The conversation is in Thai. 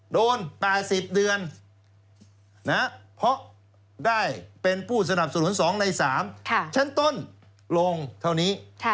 โดน๘๐เดือนเพราะได้เป็นผู้สนับสนุน๒ใน๓ชั้นต้นลงเท่านี้